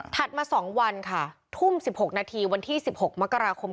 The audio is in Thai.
มา๒วันค่ะทุ่ม๑๖นาทีวันที่๑๖มกราคม